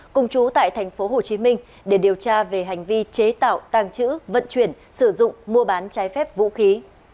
cùng chú tại tp hcm để điều tra về hành vi chế tạo tàng trữ vận chuyển sử dụng mua bán trái phép vũ khí